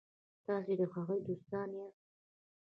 تاسي د هغوی دوستان یاست.